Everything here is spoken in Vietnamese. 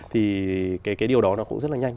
thì cái điều đó nó cũng rất là nhanh